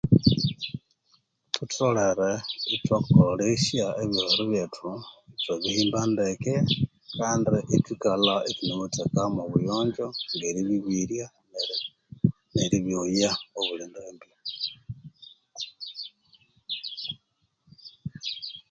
Thutholere ithwakolesya ebyogheru byethu ithwabihimba ndeke ithwikalha ithunemutheka mwo buyonjo neribirya eri neribyoya obuli ndambi